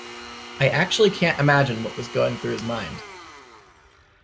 I actually can't imagine what was going through his mind.